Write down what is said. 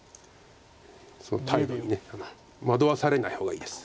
その態度に惑わされない方がいいです。